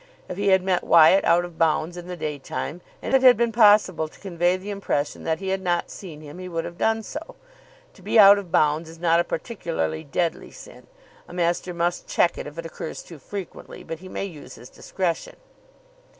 If he had met Wyatt out of bounds in the day time, and it had been possible to convey the impression that he had not seen him, he would have done so. To be out of bounds is not a particularly deadly sin. A master must check it if it occurs too frequently, but he may use his discretion.